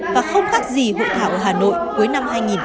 và không khác gì hội thảo ở hà nội cuối năm hai nghìn một mươi chín